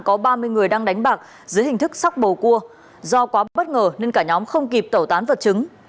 có ba mươi người đang đánh bạc dưới hình thức sóc bầu cua do quá bất ngờ nên cả nhóm không kịp tẩu tán vật chứng